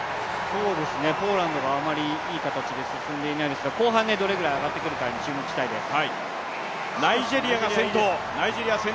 ポーランドがあまりいい形で進んでいないですが、後半どれぐらい上がってくるかに注目したいです。